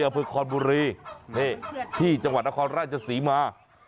ออกไปอำเภอคอนบุรีที่จังหวัดนครราชสีมา